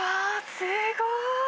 すごい！